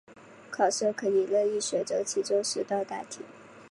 考生可以任意选择其中十道大题